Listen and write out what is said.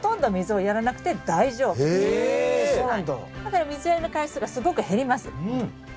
だから水やりの回数がすごく減ります。